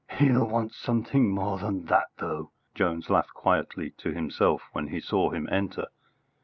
"He'll want something more than that, though!" Jones laughed quietly to himself when he saw him enter.